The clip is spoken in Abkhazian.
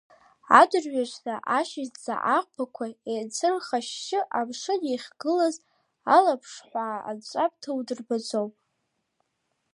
Адырҩаҽны ашьыжьӡа аӷбақәа, еицырхашьшьы амшын иахьыхгылаз, алаԥшҳәаа анҵәамҭа удырбаӡомызт.